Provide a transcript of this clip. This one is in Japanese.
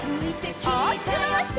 おおきくまわして。